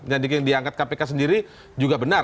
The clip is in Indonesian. jadi yang diangkat kpk sendiri juga benar